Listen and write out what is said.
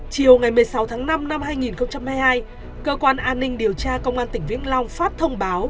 chiều ngày một mươi sáu tháng năm năm hai nghìn hai mươi hai cơ quan an ninh điều tra công an tỉnh vĩnh long phát thông báo